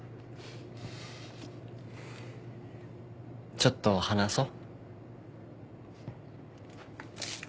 ちょっと話そう。